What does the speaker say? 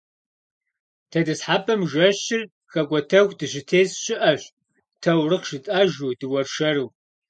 ТетӀысхьэпӀэм жэщыр хэкӀуэтэху дыщытес щыӀэщ таурыхъ жытӏэжу, дыуэршэру.